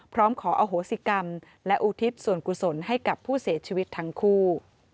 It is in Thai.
พร้อมขออโหสิกรรมและอุทิศส่วนกุศลให้กับผู้เสียชีวิตทั้งคู่